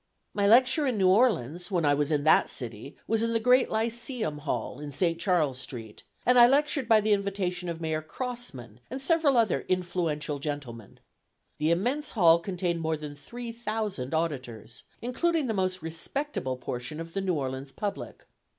My lecture in New Orleans, when I was in that city, was in the great Lyceum Hall, in St. Charles Street, and I lectured by the invitation of Mayor Crossman and several other influential gentlemen. The immense hall contained more than three thousand auditors, including the most respectable portion of the New Orleans public.